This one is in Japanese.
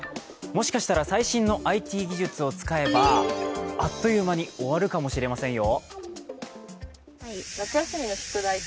もしかしたら最新のＩＴ技術を使えばあっという間に終わるかもしれませんよ。